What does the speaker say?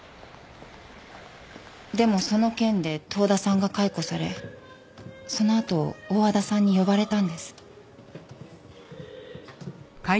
でもその件で遠田さんが解雇されそのあと大和田さんに呼ばれたんです。